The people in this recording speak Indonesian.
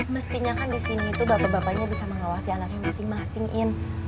mestinya kan di sini itu bapak bapaknya bisa mengawasi anaknya masing masing in